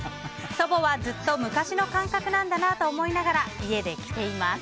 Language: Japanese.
祖母はずっと昔の感覚なんだなと思いながら家で着ています。